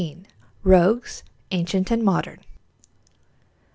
ROGUES ANCIENT AND MODERN.